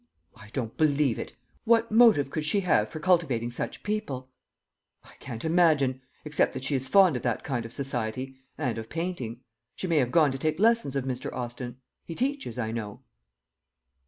"I don't believe it. What motive could she have for cultivating such people?" "I can't imagine except that she is fond of that kind of society, and of painting. She may have gone to take lessons of Mr. Austin. He teaches, I know."